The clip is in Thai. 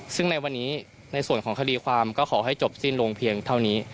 ซึ่งในวันนี้ในส่วนของคดีความก็ขอให้จบสิ้นลงเพียงเท่านี้